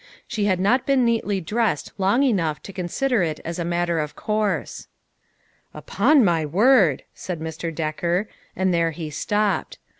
She had not been neatly dressed long enough to consider it as a matter of course. " Upon my word !" said Mr. Decker, and LONG STOEIE8 TO TELL. 135 there he stopped.